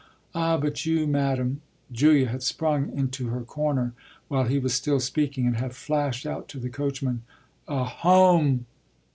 Ah but you, madam " Julia had sprung into her corner while he was still speaking and had flashed out to the coachman a "Home!"